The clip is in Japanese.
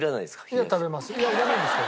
いや「いらないですか？」